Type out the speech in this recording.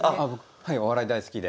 はいお笑い大好きで。